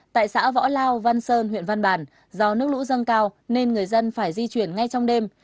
tại xã võ lao văn sơn huyện văn bàn do nước lũ dâng cao nên người dân phải di chuyển ngay trong đêm